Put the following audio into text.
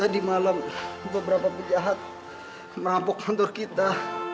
tadi malam beberapa penjahat merampok kantor kita